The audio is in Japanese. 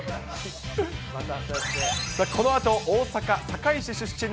このあと、大阪・堺市出身の